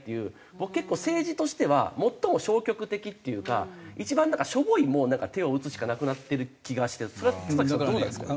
僕結構政治としては最も消極的っていうか一番しょぼい手を打つしかなくなってる気がしてそれは田さんどうなんですか？